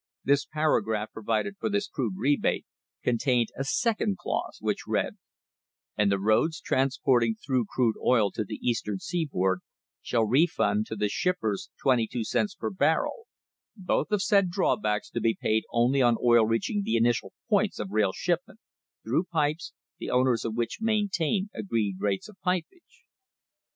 This para graph provided for this crude rebate contained a second clause, which read: "And the roads transporting through crude oil to the Eastern seaboard shall refund to the ship pers twenty two cents per barrel; both of said drawbacks to be paid only on oil reaching the initial points of rail shipment, through pipes, the owners of which maintain agreed rates of pipage."